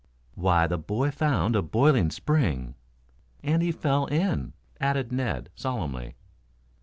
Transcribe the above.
"Why, the boy found a boiling spring " "And he fell in," added Ned solemnly.